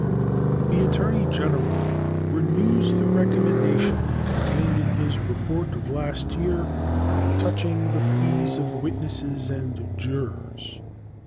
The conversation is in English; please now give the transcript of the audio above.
The Attorney General renews the recommendation contained in his report of last year touching the fees of witnesses and jurors.